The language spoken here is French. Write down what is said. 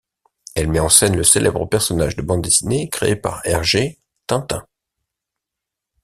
Elle met en scène le célèbre personnage de bande dessinée créé par Hergé, Tintin.